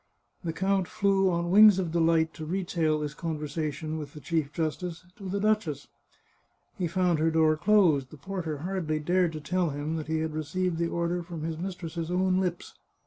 The count flew on wings of delight to retail this con versation with the chief justice to the duchess. He found her door closed; the porter hardly dared to tell him that he had received the order from his mistress's own lips.